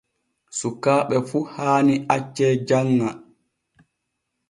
Sukaaɓe fu haani acce janŋa.